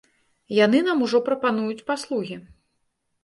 Яны нам ужо прапануюць паслугі.